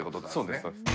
そうですそうです。